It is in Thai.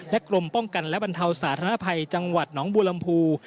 กรมป้องกันและบรรเทาสาธารณภัยจังหวัดหนองบัวลำพู